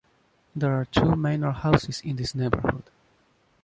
There are two manor houses in this neighborhood.